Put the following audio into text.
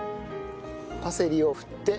パセリを振って。